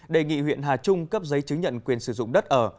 đề nghị huyện hà trung cấp giấy chứng nhận quyền sử dụng đất ở